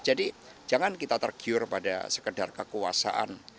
jadi jangan kita tergiur pada sekedar kekuasaan